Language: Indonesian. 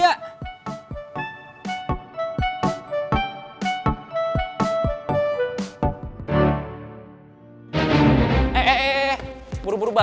mbak bremy minta peluang